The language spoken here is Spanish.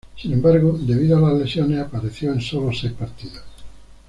Sin embargo, debido a las lesiones, apareció en sólo seis partidos.